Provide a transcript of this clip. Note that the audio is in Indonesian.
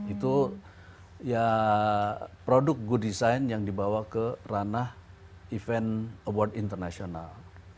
itu ya produk good design yang dibawa ke ranah event award internasional